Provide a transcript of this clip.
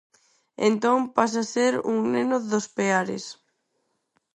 Entón pasa a ser un neno dos Peares.